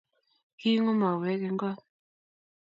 Kinguu mauek eng goot